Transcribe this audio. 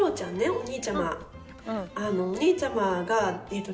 お兄ちゃまが。